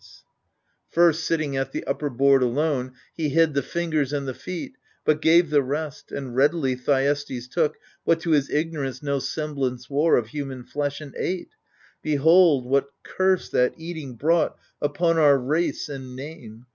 74 AGAMEMNON First, sitting at the upper board alone, He hid the fingers and the feet, but gave The rest — and readily Thyestes took What to his ignorance no semblance wore Of human flesh, and ate : behold what curse That eating brought upon our race and name